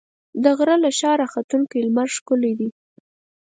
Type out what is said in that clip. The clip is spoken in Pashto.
د غره له شا راختونکی لمر ښکلی دی.